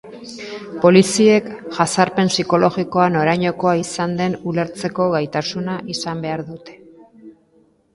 Poliziek jazarpen psikologikoa norainokoa izan den ulertzeko gaitasuna izan behar dute.